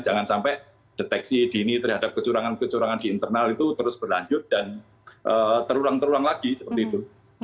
jangan sampai deteksi dini terhadap kecurangan kecurangan di internal itu terus berlanjut dan terulang terulang lagi seperti itu